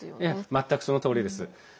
全くそのとおりです。